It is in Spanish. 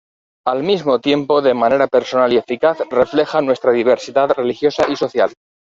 Al mismo tiempo, de manera personal y eficaz, refleja nuestra diversidad religiosa y social.